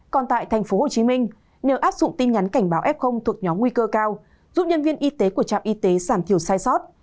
còn tại tp hcm nếu áp dụng tin nhắn cảnh báo f thuộc nhóm nguy cơ cao giúp nhân viên y tế của trạm y tế giảm thiểu sai sót